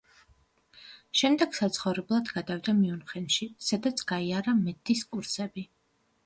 შემდეგ საცხოვრებლად გადავიდა მიუნხენში, სადაც გაიარა მედდის კურსები.